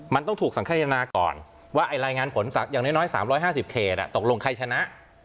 มันต้องถูกสังเครนาก่อนว่าไอ้รายงานผลสักอย่างน้อย๓๕๐เคดอ่ะตกลงใครชนะ